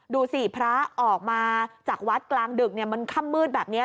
ดูสิพระออกมาจากวัดกลางดึกมันค่ำมืดแบบนี้